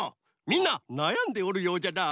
みんななやんでおるようじゃな。